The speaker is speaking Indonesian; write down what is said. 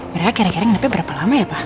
mereka kira kira kenapanya berapa lama ya pa